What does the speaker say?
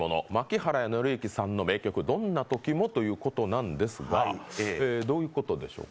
槇原敬之さんの名曲、「どんなときも」ということですがどういうことでしょうか。